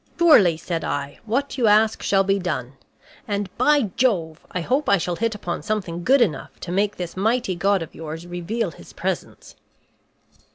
"Surely," said I, "what you ask shall be done. And, by Jove! I hope I shall hit upon something good enough to make this mighty god of yours reveal his presence."